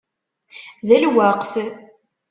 D lweqt!